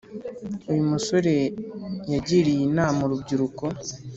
Uyu musore yagiriye inama urubyiruko